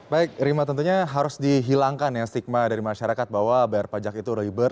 baik rima tentunya harus dihilangkan ya stigma dari masyarakat bahwa bayar pajak itu ribet